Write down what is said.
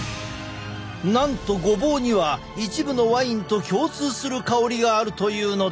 なんとごぼうには一部のワインと共通する香りがあるというのだ！